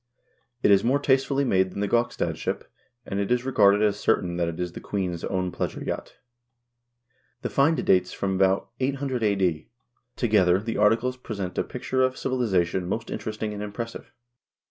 It is more tastefully made than the Gokstad ship, and it is regarded as certain that it is the queen's own pleasure yacht. The find dates from about 800 a.d. Together, the articles present a picture of civilization most interesting and impressive.